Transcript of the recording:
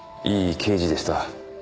いい刑事でした。